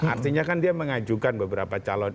artinya kan dia mengajukan beberapa calon